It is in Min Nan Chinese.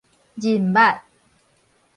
認捌